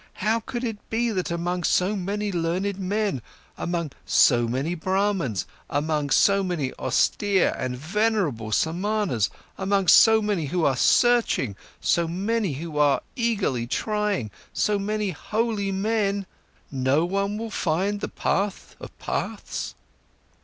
How could it be that among so many learned men, among so many Brahmans, among so many austere and venerable Samanas, among so many who are searching, so many who are eagerly trying, so many holy men, no one will find the path of paths?"